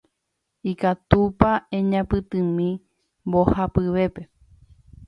Ikatúpa eñapytĩmi mbohapyvépe.